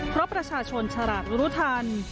เพราะประชาชนฉลากรู้ทัน